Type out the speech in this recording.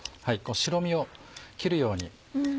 白身を切るように。